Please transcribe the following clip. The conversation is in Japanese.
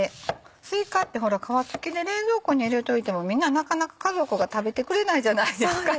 すいかって皮付きで冷蔵庫に入れといてもみんななかなか家族が食べてくれないじゃないですか。